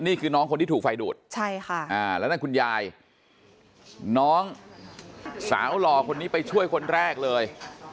นี่คือน้องคนที่ถูกไฟดูดใช่ค่ะแล้วนั่นคุณยายน้องสาวหล่อคนนี้ไปช่วยคนแรกเลย